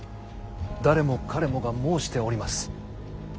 誰もかれもが申しております。